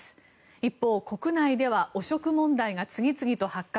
一方、国内では汚職問題が次々と発覚。